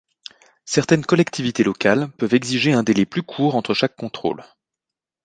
Certaines collectivités locales peuvent exiger un délai plus court entre chaque contrôle.